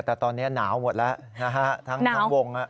แต่ตอนนี้หนาวหมดแล้วนะฮะทั้งวง